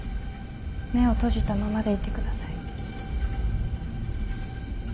目を閉じたままでいてください。